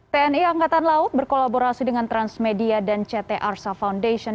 tni angkatan laut berkolaborasi dengan transmedia dan ct arsa foundation